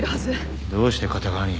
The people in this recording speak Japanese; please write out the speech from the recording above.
どうして片側に？